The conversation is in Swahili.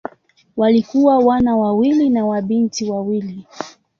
Walikuwa wana wawili na mabinti wawili.